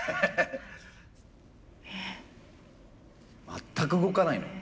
全く動かないのよ